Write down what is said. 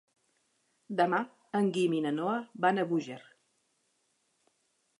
Demà en Guim i na Noa van a Búger.